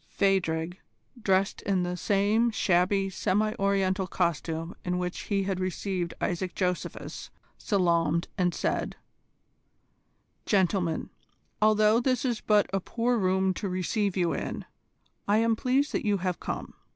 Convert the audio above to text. Phadrig, dressed in the same shabby semi Oriental costume in which he had received Isaac Josephus, salaamed, and said: "Gentlemen, although this is but a poor room to receive you in, I am pleased that you have come.